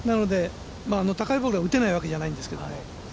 高いボールが打てないわけじゃないんですけども。